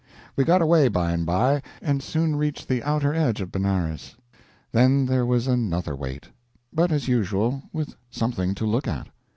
We got away by and by, and soon reached the outer edge of Benares; then there was another wait; but, as usual, with something to look at.